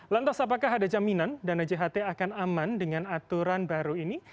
lantas apakah ada jaminan dana jht akan aman dengan aturan baru ini